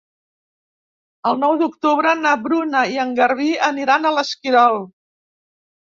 El nou d'octubre na Bruna i en Garbí aniran a l'Esquirol.